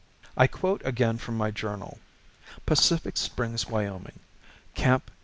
I quote again from my journal: "Pacific Springs, Wyoming, Camp No.